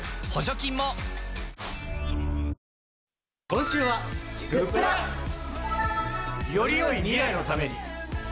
今週はグップラ。よりよい未来のために。